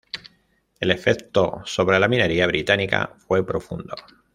El efecto sobre la minería británica fue profundo.